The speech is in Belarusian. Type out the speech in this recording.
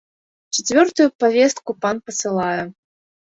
Чацвёртую павестку пан пасылае.